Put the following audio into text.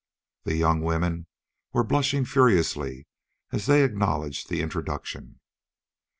The young women were blushing furiously as they acknowledged the introduction.